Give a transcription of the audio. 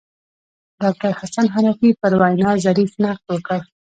ډاکتر حسن حنفي پر وینا ظریف نقد وکړ.